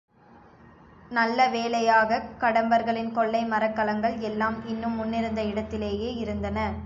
நல்ல வேளையாகக் கடம்பர்களின் கொள்ளை மரக்கலங்கள் எல்லாம் இன்னும் முன்னிருந்த இடத்திலேயே இருந்தன.